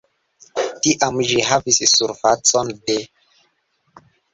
Tiam ĝi havis surfacon de.